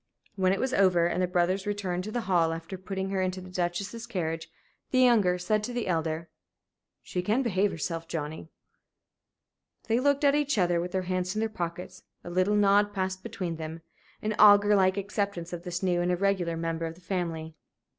When it was over, and the brothers returned to the hall after putting her into the Duchess's carriage, the younger said to the elder: "She can behave herself, Johnnie." They looked at each other, with their hands in their pockets. A little nod passed between them an augur like acceptance of this new and irregular member of the family.